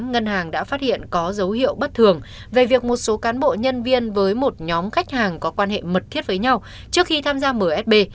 ngân hàng đã phát hiện có dấu hiệu bất thường về việc một số cán bộ nhân viên với một nhóm khách hàng có quan hệ mật thiết với nhau trước khi tham gia msb